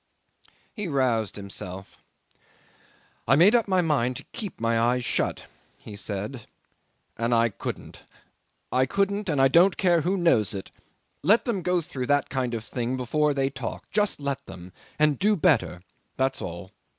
'He roused himself. '"I made up my mind to keep my eyes shut," he said, "and I couldn't. I couldn't, and I don't care who knows it. Let them go through that kind of thing before they talk. Just let them and do better that's all.